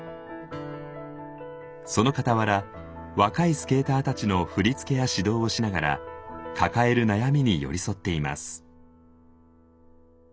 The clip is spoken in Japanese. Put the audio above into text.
そのかたわら若いスケーターたちの振付や指導をしながら抱える悩みに寄り添っています。